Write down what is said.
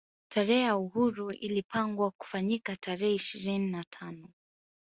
Tarehe ya uhuru ilapangwa kufanyika tarehe ishirini na tano